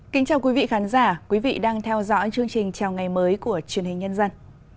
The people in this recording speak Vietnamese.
kính chào quý vị khán giả quý vị đang theo dõi chương trình chào ngày mới của truyền hình nhân dân